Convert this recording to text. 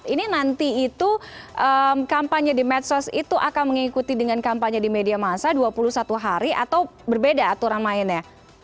ini nanti itu kampanye di medsos itu akan mengikuti dengan kampanye di media masa dua puluh satu hari atau berbeda aturan mainnya